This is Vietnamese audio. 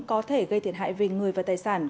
có thể gây thiệt hại về người và tài sản